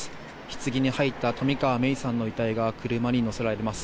ひつぎに入った冨川芽生さんの遺体が車に乗せられます。